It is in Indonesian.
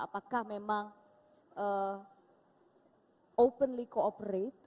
apakah memang openly cooperate